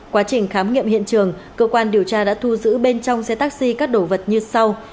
quá trình khám nghiệm hiện trường cơ quan điều tra đã thu giữ bên trong xe taxi các đồ vật như sau